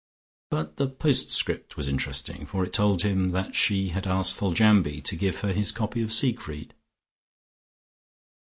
But the post script was interesting, for it told him that she had asked Foljambe to give her his copy of Siegfried....